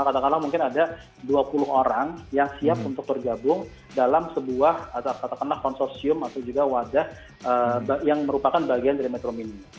katakanlah mungkin ada dua puluh orang yang siap untuk tergabung dalam sebuah katakanlah konsorsium atau juga wadah yang merupakan bagian dari metro mini